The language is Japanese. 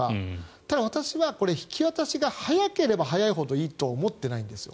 ただ、私は引き渡しが早ければ早いほどいいと思ってないんです。